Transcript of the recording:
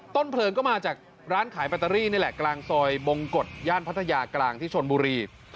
เพลิงก็มาจากร้านขายแบตเตอรี่นี่แหละกลางซอยบงกฎย่านพัทยากลางที่ชนบุรี